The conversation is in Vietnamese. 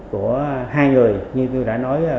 của hai người như tôi đã nói